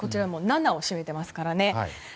７を占めていますからね。